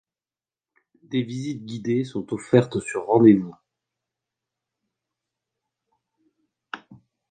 Des visites guidées sont offertes sur rendez-vous.